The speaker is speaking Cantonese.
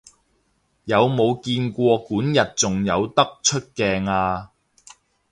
有冇見過管軼仲有得出鏡啊？